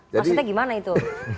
maksudnya gimana itu